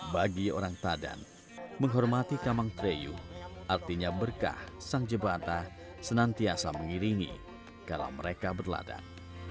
bagi orang tadan menghormati kamang treyu artinya berkah sang jebata senantiasa mengiringi kalau mereka berladan